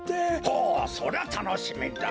ほうそりゃたのしみだ。